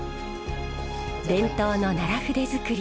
伝統の奈良筆作り